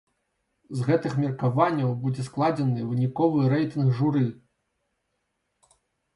З гэтых меркаванняў будзе складзены выніковы рэйтынг журы.